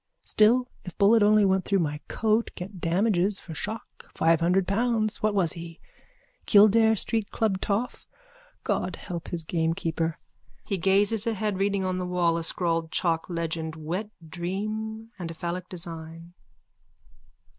Still if bullet only went through my coat get damages for shock, five hundred pounds. What was he? Kildare street club toff. God help his gamekeeper. (He gazes ahead, reading on the wall a scrawled chalk legend Wet Dream _and a phallic design.